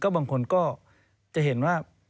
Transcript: บางคนก็จะเห็นว่า